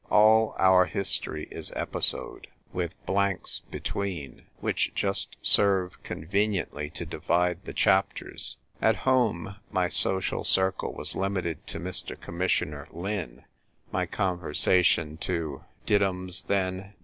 All our history is episode, with blanks between, which just serve conveniently to divide the chapters. At home, my social circle was limited to Mr. Commissioner Lin : my conversation to " Did 'ums, then